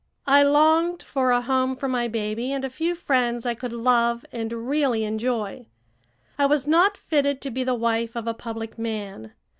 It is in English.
I longed for a home for my baby and a few friends I could love and really enjoy. I was not fitted to be the wife of a public man.